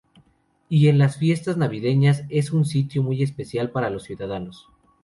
Y en las fiestas navideñas es un sitio muy especial para los ciudadanos.